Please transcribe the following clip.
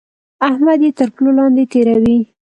احمد يې تر پلو لاندې تېروي.